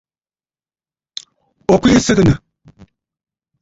Ò kwìʼi sɨgɨ̀nə̀.